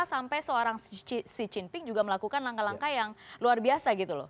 sampai seorang xi jinping juga melakukan langkah langkah yang luar biasa gitu loh